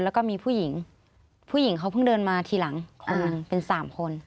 แล้วก็มีผู้หญิงผู้หญิงเขาเพิ่งเดินมาทีหลังคนหนึ่งเป็นสามคน